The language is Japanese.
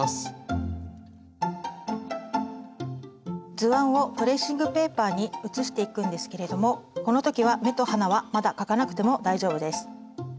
図案をトレーシングペーパーに写していくんですけれどもこの時は目と鼻はまだ描かなくても大丈夫です。